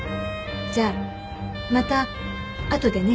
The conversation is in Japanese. じゃあまたあとでね。